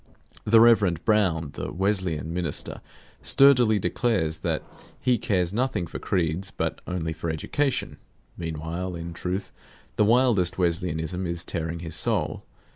The Rev. Brown, the Wesleyan minister, sturdily declares that he cares nothing for creeds, but only for education; meanwhile, in truth, the wildest Wesleyanism is tearing his soul.